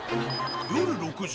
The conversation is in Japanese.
夜６時。